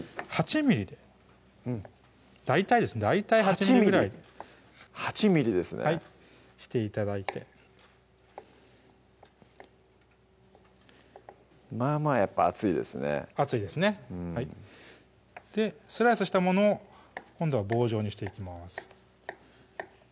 ８ｍｍで大体です大体８ｍｍぐらい８ｍｍ８ｍｍですねはいして頂いてまあまあやっぱ熱いですね熱いですねスライスしたものを今度は棒状にしていきます